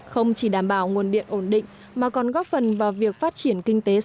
không chỉ đảm bảo nguồn điện ổn định mà còn góp phần vào việc phát triển kinh tế